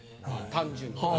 単純に。